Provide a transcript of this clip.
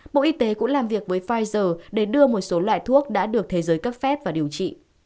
bộ y tế cũng làm việc với pfizer để đưa một số loại thuốc đã được thế giới cấp phép và điều trị